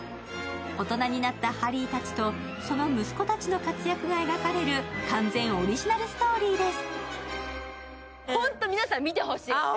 大人になったハリーたちと、その息子たちの活躍が描かれる完全オリジナルストーリーです。